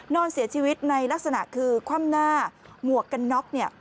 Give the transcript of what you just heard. นอนเสียชีวิตในลักษณะคือคว่ำหน้าหมวกกันน็อกเนี่ย